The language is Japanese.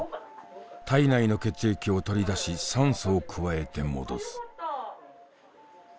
体内の血液を取り出し酸素を加えて戻す。